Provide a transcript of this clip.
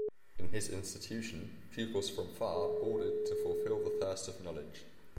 In his institution, pupils from far boarded to fulfill the thirst of knowledge.